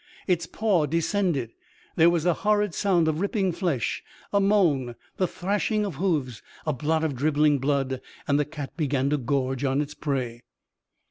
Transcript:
Its paw descended. There was a horrid sound of ripping flesh, a moan, the thrashing of hoofs, a blot of dribbling blood, and the cat began to gorge on its prey.